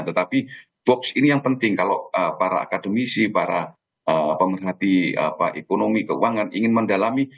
tetapi box ini yang penting kalau para akademisi para pemerhati ekonomi keuangan ingin mendalami